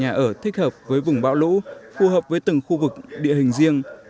nhà ở thích hợp với vùng bão lũ phù hợp với từng khu vực địa hình riêng